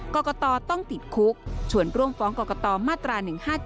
กรกตต้องติดคุกชวนร่วมฟ้องกรกตมาตรา๑๕๗